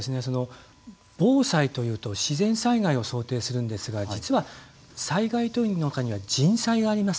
防災というと自然災害を想定するんですが実は災害の中には人災があります。